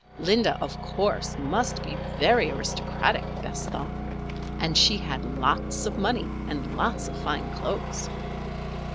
Linda, of course, must be very aristocratic, Bess thought. And she had lots of money and lots of fine clothes.